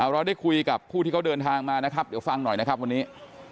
เราได้คุยกับผู้ที่เขาเดินทางมานะครับเดี๋ยวฟังหน่อยนะครับวันนี้